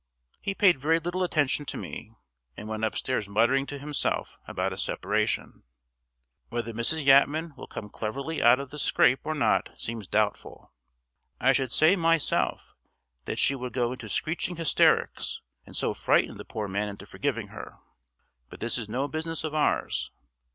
He paid very little attention to me, and went upstairs muttering to himself about a separation. Whether Mrs. Yatman will come cleverly out of the scrape or not seems doubtful. I should say myself that she would go into screeching hysterics, and so frighten the poor man into forgiving her. But this is no business of ours.